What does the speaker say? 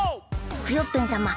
クヨッペンさま